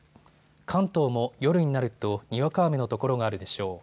関東も夜になると、にわか雨の所があるでしょう。